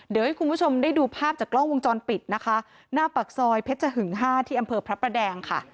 เดี๋ยวให้คุณผู้ชมได้ดูภาพจากกล้องวงจรปิดนะคะหน้าปากซอยเพชรหึงห้าที่อำเภอพระประแดงค่ะ